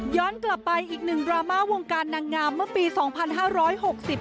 กลับไปอีกหนึ่งดราม่าวงการนางงามเมื่อปีสองพันห้าร้อยหกสิบ